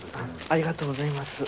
ありがとうございます。